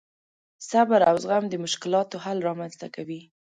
صبر او زغم د مشکلاتو حل رامنځته کوي.